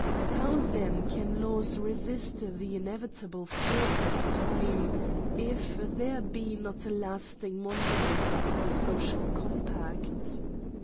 How then can laws resist the inevitable force of time, if thercbe not a lasting monument of the social compact.